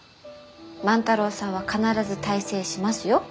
万太郎さんは必ず大成しますよ。